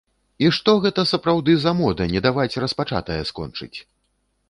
І што гэта, сапраўды, за мода не даваць распачатае скончыць.